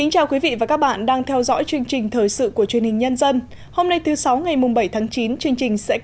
hãy đăng ký kênh để ủng hộ kênh của chúng mình nhé